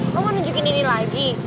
mau nunjukin ini lagi